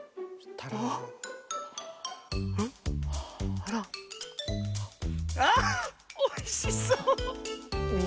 あら。あっおいしそう！